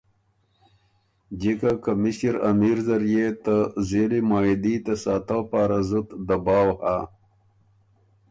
جِکه که مِݭِر امېر زر يې ته زېلی معاهدي ته ساتؤ پاره زُت دباؤ هۀ“